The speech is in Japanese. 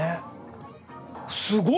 すご！